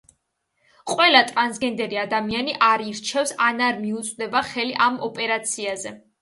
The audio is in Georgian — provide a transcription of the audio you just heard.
ყველა ტრანსგენდერი ადამიანი არ ირჩევს ან არ მიუწვდება ხელი ამ ოპერაციაზე.